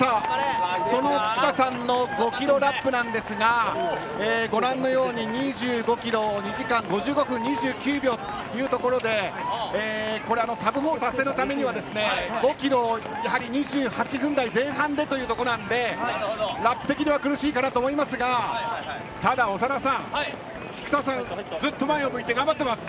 その菊田さんの５キロラップですがご覧のように２５キロを２時間５５分２９秒というところでサブ４達成のためにはやはり２８分台前半でということでラップ的には苦しいと思いますが長田さん、菊田さんはずっと前を向いて頑張っています。